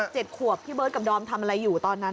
ขวบพี่เบิร์ตกับดอมทำอะไรอยู่ตอนนั้น